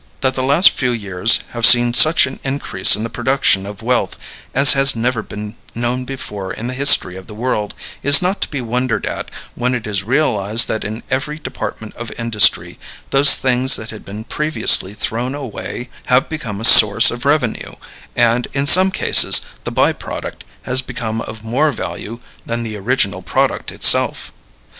That the last few years have seen such an increase in the production of wealth as has never been known before in the history of the world is not to be wondered at when it is realized that in every department of industry those things that had been previously thrown away have become a source of revenue, and, in some cases, the by product has become of more value than the original product itself.